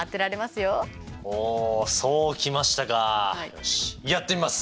よしやってみます！